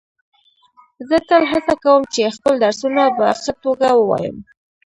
زه تل هڅه کوم چي خپل درسونه په ښه توګه ووایم.